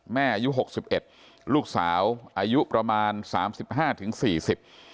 อายุหกสิบเอ็ดลูกสาวอายุประมาณสามสิบห้าถึงสี่สิบ